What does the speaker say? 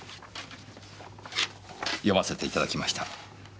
読ませていただきました。